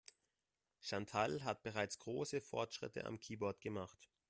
Chantal hat bereits große Fortschritte am Keyboard gemacht.